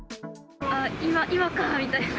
今かみたいな。